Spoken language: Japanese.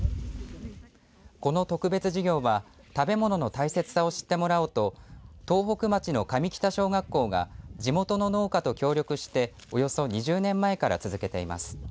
この特別授業は、食べ物の大切さを知ってもらおうと東北町の上北小学校が地元の農家と協力しておよそ２０年前から続けています。